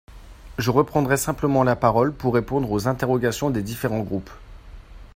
Je reprendrai simplement la parole pour répondre aux interrogations des différents groupes.